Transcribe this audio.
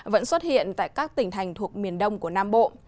vẫn xuất hiện tại các tỉnh thành thuộc miền đông của nam bộ